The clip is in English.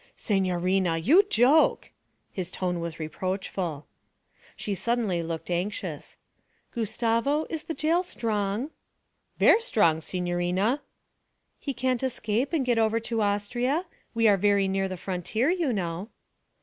'Signorina, you joke!' His tone was reproachful. She suddenly looked anxious. 'Gustavo, is the jail strong?' 'Ver' strong, signorina.' 'He can't escape and get over into Austria? We are very near the frontier, you know.'